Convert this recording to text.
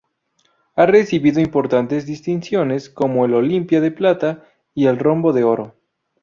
Ha recibido importantes distinciones, como el Olimpia de Plata y el Rombo de Oro.